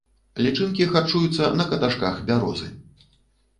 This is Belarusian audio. Лічынкі харчуюцца на каташках бярозы.